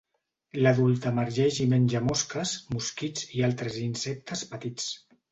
L'adult emergeix i menja mosques, mosquits, i altres insectes petits.